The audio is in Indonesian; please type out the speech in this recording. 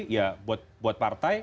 ya buat partai